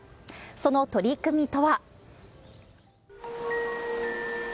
その取り組みとは。